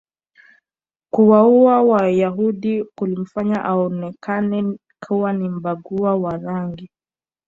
kuwauwa wayahudi kulimfanya aonekane kuwa ni mbaguzi wa rangi